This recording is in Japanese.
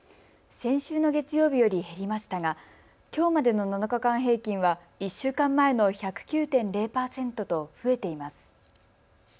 先週の月曜日より減りましたがきょうまでの７日間平均は１週間前の１０９．０％と増えています。